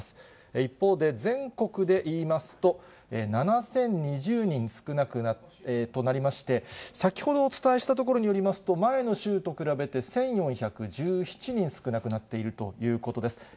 一方で全国で言いますと、７０２０人となりまして、先ほどお伝えしたところによりますと、前の週と比べて人少なくなっているということです。